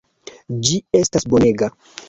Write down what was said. Ĝi estas bonega.